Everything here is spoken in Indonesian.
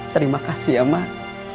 terima kasih ya mak